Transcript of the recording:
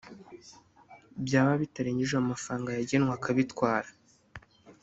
byaba bitarengeje ayo mafanga yagenwe akabitwara